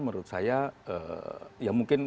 menurut saya ya mungkin